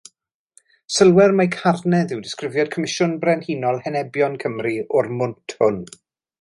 Sylwer mai carnedd yw disgrifiad Comisiwn Brenhinol Henebion Cymru o'r mwnt hwn.